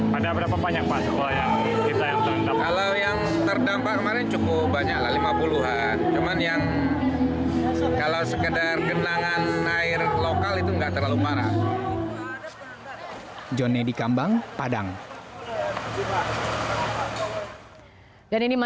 pada berapa banyak sekolah yang terdampak